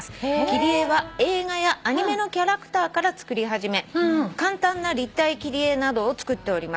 「切り絵は映画やアニメのキャラクターから作り始め簡単な立体切り絵などを作っております」